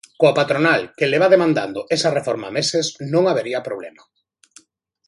Coa patronal, que leva demandando esa reforma meses, non habería problema.